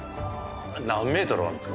何メートルあるんですか？